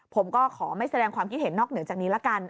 ผมก็ขอไม่แสดงความคิดเห็นนอกเหนือจากนี้ละกัน